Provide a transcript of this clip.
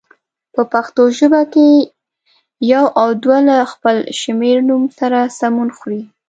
په پښتو ژبه کې یو او دوه له خپل شمېرنوم سره سمون خوري.